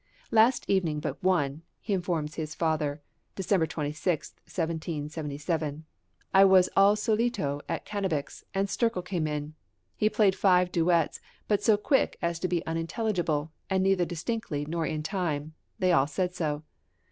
"Last evening but one," he informs his father (December 26, 1777), "I was al solito at Cannabich's, and Sterkel came in. He played five duets, but so quick as to be unintelligible, and neither distinctly nor in time they all said so.